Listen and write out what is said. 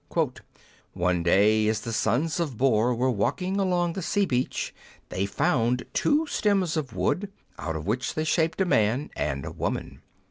"One day as the sons of Bor were walking along the sea beach, they found two stems of wood, out of which they shaped a man and a woman.